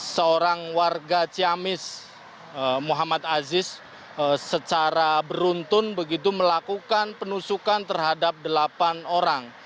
seorang warga ciamis muhammad aziz secara beruntun begitu melakukan penusukan terhadap delapan orang